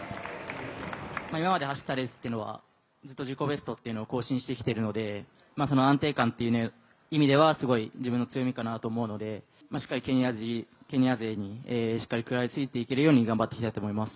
今まで走ったレースというのは、ずっと自己ベストというのを更新してきているので安定感っていう意味では、すごい自分の強みかなと思うのでしっかりケニア勢に食らいついていけるように頑張っていきたいと思います。